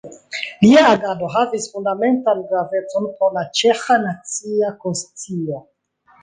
Lia agado havis fundamentan gravecon por la ĉeĥa nacia konscio.